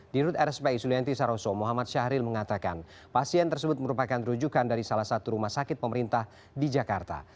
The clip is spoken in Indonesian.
dirut rspi sulianti saroso muhammad syahril mengatakan pasien tersebut merupakan rujukan dari salah satu rumah sakit pemerintah di jakarta